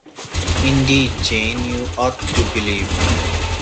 Indeed, Jane, you ought to believe me.